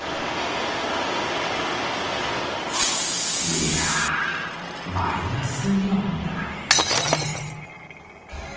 いや、マイナスイオンだねぇ。